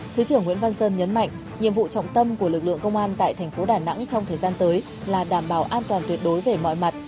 thứ trưởng nguyễn văn sơn nhấn mạnh nhiệm vụ trọng tâm của lực lượng công an tại thành phố đà nẵng trong thời gian tới là đảm bảo an toàn tuyệt đối về mọi mặt